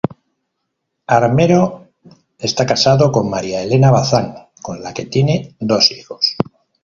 Armero está casado con María Elena Bazán con la que tiene dos hijos.